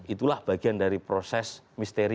itulah bagian dari proses misteri